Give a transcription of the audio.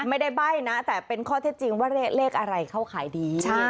ไม่ได้ใบ้นะแต่เป็นข้อเท็จจริงว่าเลขอะไรเข้าขายดี